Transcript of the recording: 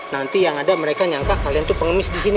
nanti yang ada mereka nyangka kalian tuh pengemis disini